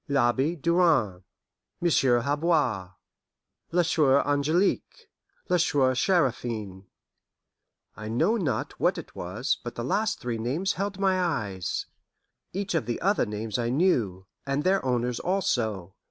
L'Abbe Durand. Monsieur Halboir. La Soeur Angelique. La Soeur Seraphine. I know not why it was, but the last three names held my eyes. Each of the other names I knew, and their owners also.